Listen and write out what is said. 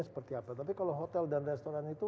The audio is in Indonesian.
seperti apa tapi kalau hotel dan restoran itu